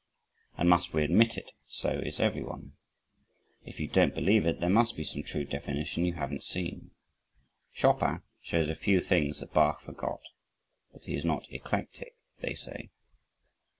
And must we admit it, so is everyone. If you don't believe it, there must be some true definition you haven't seen. Chopin shows a few things that Bach forgot but he is not eclectic, they say.